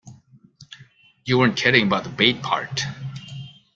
You weren't kidding about the bait part.